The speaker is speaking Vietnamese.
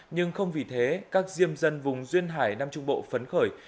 nhưng không vì thế các diêm dân vùng duyên hải nam trung bộ phấn khởi